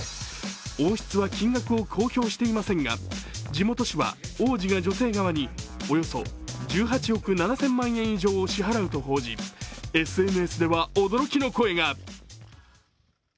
王室は金額を公表していませんが、地元紙は、王子が女性側におよそ１８億７０００万円以上を支払うと報じ、ＳＮＳでは驚きの声が。